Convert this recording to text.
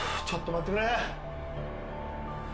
ちょっと待って。